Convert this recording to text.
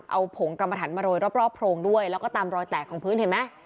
เอาผงกรรมฐานมาโรยรอบโพรงด้วยแล้วก็ตามรอยแตกของพื้นเห็นไหม